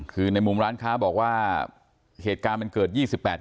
คือในมุมร้านค้าบอกว่าเหตุการณ์มันเกิด๒๘กุมภาพันธุ์